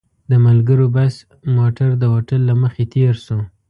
د ملګرو بس موټر د هوټل له مخې تېر شو.